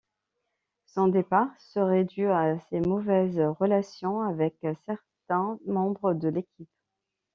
Son départ serait dû à ses mauvaises relations avec certains membres de l'équipe.